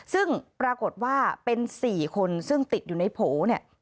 ซึ่งปรากฏว่าเป็น๔คนซึ่งติดอยู่ในโผเนี่ย